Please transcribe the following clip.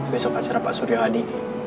besok acara pak surya hadi